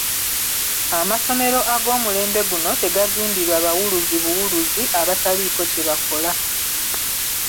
Amasomero ag'omulembe guno tegazimbirwa bawulizi buwulizi, abataliiko kye bakola.